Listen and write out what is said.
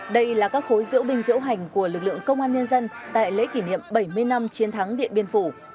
đây là các khối diễu binh diễu hành của lực lượng công an nhân dân tại lễ kỷ niệm bảy mươi năm chiến thắng điện biên phủ